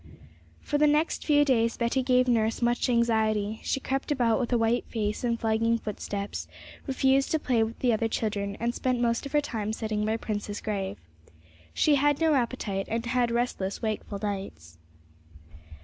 For the next few days Betty gave nurse much anxiety; she crept about with a white face and flagging footsteps, refused to play with the other children, and spent most of her time sitting by Prince's grave. She had no appetite, and had restless, wakeful nights.